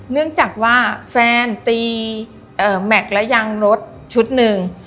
เนื่องจากว่าแฟนตีแม็กซ์และยางรถชุดหนึ่ง